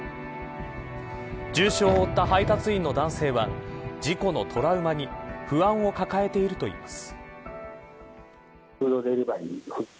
重傷を負った配達員の男性は事故のトラウマに不安を抱えているといいます。